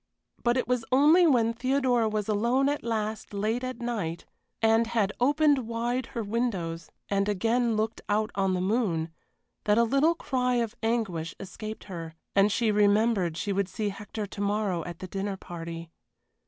But it was only when Theodora was alone at last late at night, and had opened wide her windows and again looked out on the moon, that a little cry of anguish escaped her, and she remembered she would see Hector to morrow at the dinner party.